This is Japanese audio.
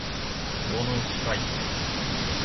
城之内ファイアー